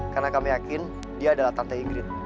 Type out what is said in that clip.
karena kami yakin dia adalah tante ingrid